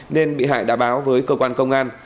nên bị hại đã báo với cơ quan công an